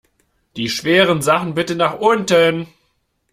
Die schweren Sachen bitte nach unten!